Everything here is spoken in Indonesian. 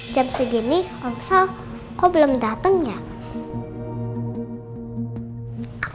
jam segini maksudnya kok belum datang ya